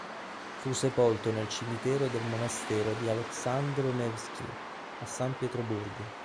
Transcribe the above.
Fu sepolto nel cimitero del Monastero di Aleksandr Nevskij, a San Pietroburgo.